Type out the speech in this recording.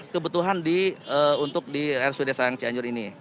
kebutuhan untuk di rsud sayang cianjur ini